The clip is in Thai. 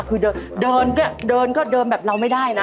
คือเดินเดินก็เดินก็เดินแบบเราไม่ได้นะ